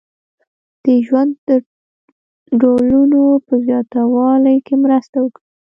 د ژوند د ډولونو په زیاتوالي کې مرسته وکړي.